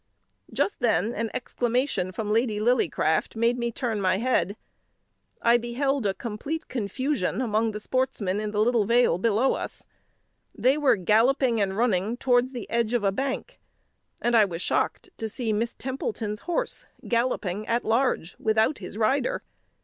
Just then an exclamation from Lady Lillycraft made me turn my head. I beheld a complete confusion among the sportsmen in the little vale below us. They were galloping and running towards the edge of a bank; and I was shocked to see Miss Templeton's horse galloping at large without his rider.